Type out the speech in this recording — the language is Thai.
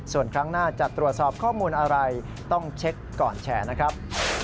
ส่วนครั้งหน้าจะตรวจสอบข้อมูลอะไรต้องเช็คก่อนแชร์นะครับ